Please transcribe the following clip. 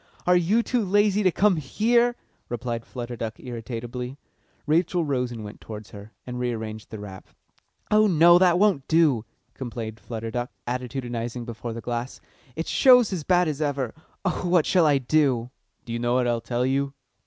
"Are you too lazy to come here?" replied Flutter Duck irritably. Rachel rose and went towards her, and rearranged the wrap. "Oh no, that won't do," complained Flutter Duck, attitudinising before the glass. "It shows as bad as ever. Oh, what shall I do?" "Do you know what I'll tell you?"